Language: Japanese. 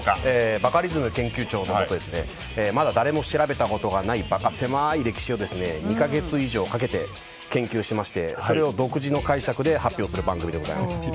バカリズム研究長のもとまだ誰も調べたことがないバカせまい歴史を２か月以上かけて研究しましてそれを独自の解釈で発表する番組でございます。